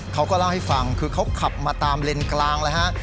เขาก็เล่าให้ฟังคือเขาขับมาตามเลนกลางเลยฮะ